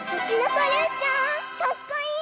かっこいい！